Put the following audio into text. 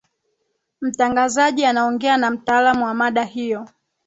mtangazaji anaongea na mtaalamu wa mada hiyo